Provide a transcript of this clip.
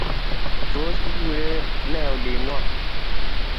Tos kikurei ne oling'wong'?